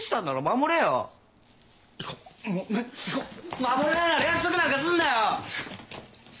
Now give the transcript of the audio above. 守れないなら約束なんかすんなよ！